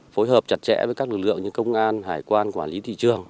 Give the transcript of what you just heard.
phối hợp chặt chẽ với các lực lượng như công an hải quan quản lý thị trường